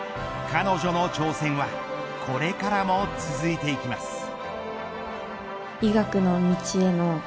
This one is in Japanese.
彼女の挑戦はこれからも続いていきます。